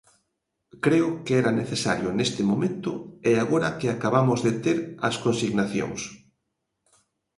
Creo que era necesario neste momento e agora que acabamos de ter as consignacións.